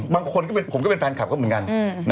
ผมก็เป็นแฟนคลับก็เหมือนกัน